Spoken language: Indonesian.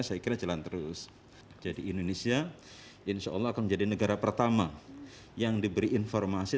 saya kira jalan terus jadi indonesia insyaallah menjadi negara pertama yang diberi informasi